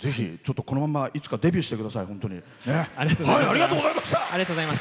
このままいつかデビューしてください。